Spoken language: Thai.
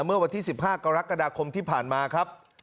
เมื่อวันที่๑๕กรกฎาคมที่ผ่านมาครับ